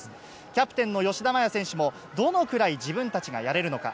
キャプテンの吉田麻也選手も、どのくらい自分たちがやれるのか。